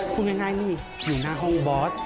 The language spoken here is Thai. พูดง่ายนี่อยู่หน้าห้องบอส